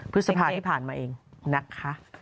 พฤษภาที่ผ่านมาเองนะคะ